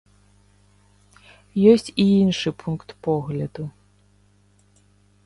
Ёсць і іншы пункт погляду.